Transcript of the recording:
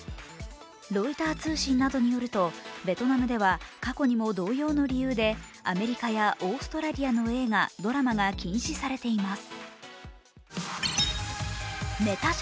ロイター通信などによりますとベトナムでは過去にも同様の理由でアメリカやオーストラリアの映画、ドラマが禁止されています。